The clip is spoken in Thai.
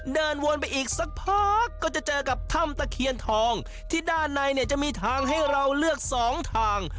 เดินวนไปอีกสักพักก็จะเจอกับถ้ำตะเคียนทองที่ด้านในเนี่ยจะมีทางให้เราเลือกสองทาง